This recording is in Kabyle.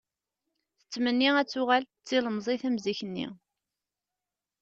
Tettmenni ad tuɣal, d tilemẓit am zik-nni.